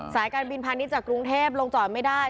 สายการบินพาณิชย์จากกรุงเทพลงจอดไม่ได้